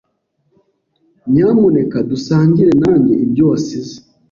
Nyamuneka dusangire nanjye ibyo wasize